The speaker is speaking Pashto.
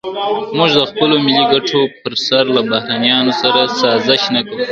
موږ د خپلو ملي ګټو پر سر له بهرنیانو سره سازش نه کوو.